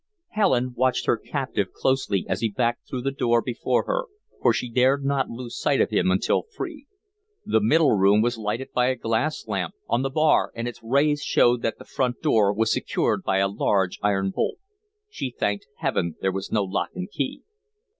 Helen watched her captive closely as he backed through the door before her, for she dared not lose sight of him until free. The middle room was lighted by a glass lamp on the bar and its rays showed that the front door was secured by a large iron bolt. She thanked Heaven there was no lock and key.